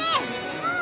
うん！